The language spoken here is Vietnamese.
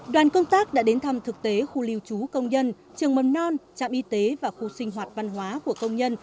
đoàn công tác đã đến thăm thực tế khu lưu trú công nhân trường mầm non trạm y tế và khu sinh hoạt văn hóa của công nhân